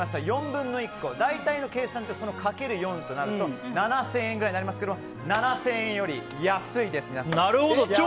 ４分の１個、大体の計算ってかける４となると７０００円ぐらいになりますが７０００円より安いです。